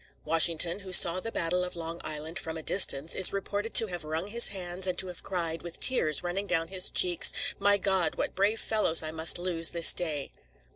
Washington, who saw the battle of Long Island from a distance, is reported to have wrung his hands, and to have cried, with tears running down his cheeks: "My God! what brave fellows I must lose this day!"